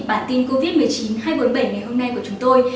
bản tin covid một mươi chín hai trăm bốn mươi bảy ngày hôm nay của chúng tôi